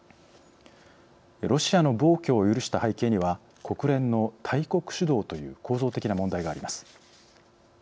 ロシアの暴挙を許した背景には国連の大国主導という構造的な問題があります。